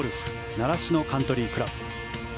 習志野カントリークラブ。